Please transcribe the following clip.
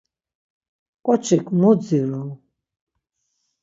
Ǩoçik mu dziru?